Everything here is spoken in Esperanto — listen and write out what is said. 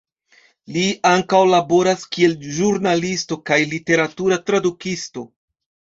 Li ankaŭ laboras kiel ĵurnalisto kaj literatura tradukisto.